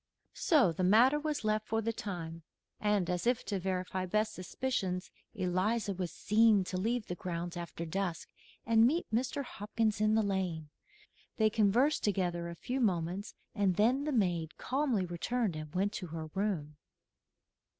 So the matter was left, for the time; and as if to verify Beth's suspicions Eliza was seen to leave the grounds after dusk and meet Mr. Hopkins in the lane. They conversed together a few moments, and then the maid calmly returned and went to her room.